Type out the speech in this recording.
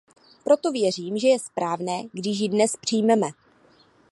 Proto věřím, že je správné, když ji dnes přijmeme.